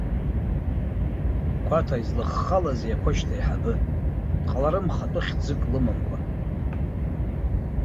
Қәаҭа, излыххалазеи аԥошьҭа аиҳабы, дҟаларым хатәы хьӡык лымамкәа?